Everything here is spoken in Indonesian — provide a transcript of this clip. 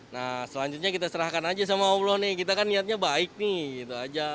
nah selanjutnya kita serahkan aja sama allah nih kita kan niatnya baik nih gitu aja